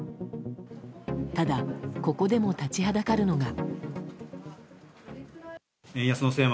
ただ、ここでも立ちはだかるのが。